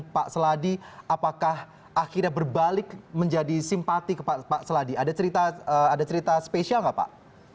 pak seladi apakah akhirnya berbalik menjadi simpati pak seladi ada cerita ada cerita spesial nggak pak